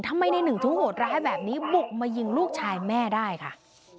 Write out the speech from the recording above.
ทำไมในหนึ่งถึงโหดร้ายแบบนี้บุกมายิงลูกชายแม่ได้ค่ะ